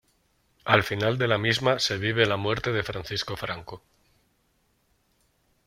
Al final de la misma se vive la muerte de Francisco Franco.